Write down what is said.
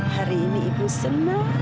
hari ini ibu senang